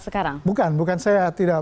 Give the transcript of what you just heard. sekarang bukan bukan saya tidak